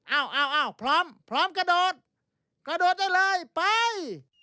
อ้าวอ้าวพร้อมพร้อมกระโดดกระโดดได้เลยไป